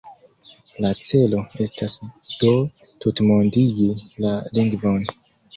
La celo estas do tutmondigi la lingvon.